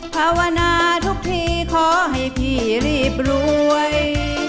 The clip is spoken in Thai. ภาวนาทุกทีขอให้พี่รีบรวย